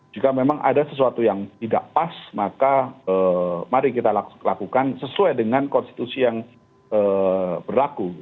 jika memang ada sesuatu yang tidak pas maka mari kita lakukan sesuai dengan konstitusi yang berlaku